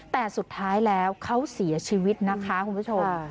แต่สุดท้ายแล้วเขาเสียชีวิตนะคะคุณผู้ชม